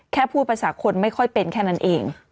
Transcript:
พูดภาษาคนไม่ค่อยเป็นแค่นั้นเอง